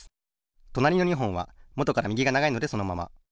となりの２ほんはもとからみぎがながいのでそのまま。